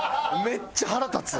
めっちゃ腹立つ。